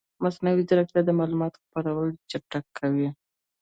مصنوعي ځیرکتیا د معلوماتو خپرول چټکوي.